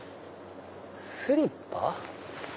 スリッパ？